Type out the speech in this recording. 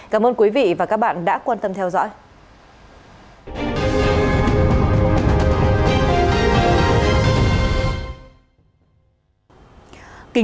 cảm ơn quý vị và các bạn đã quan tâm theo dõi